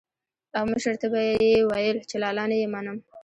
او مشر ته به یې ويل چې لالا نه يې منم.